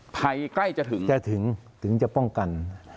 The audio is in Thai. ภัยใกล้จะถึงจะถึงถึงจะป้องกัน